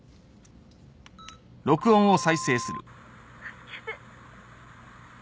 助けて。